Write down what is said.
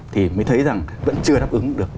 thì mới thấy rằng vẫn chưa đáp ứng được